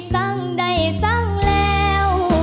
สังใดสังแล้ว